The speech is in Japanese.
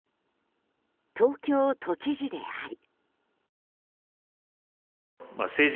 東京都知事であり。